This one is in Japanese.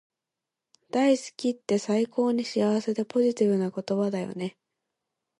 大好きって最高に幸せでポジティブな言葉だよね